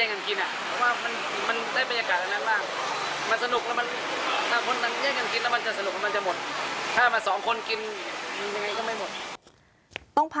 เพราะว่ามันได้บรรยากาศหลังมันสนุก